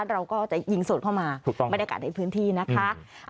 เราก็จะยิงโสดเข้ามาบรรยากาศในพื้นที่นะคะ